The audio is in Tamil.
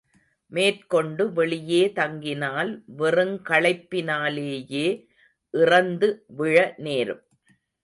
மேற்கொண்டு வெளியே தங்கினால் வெறுங்களைப்பினாலேயே இறந்து விழநேரும்.